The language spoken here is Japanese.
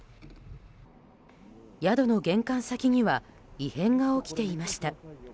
宿の玄関先には異変が起きていました。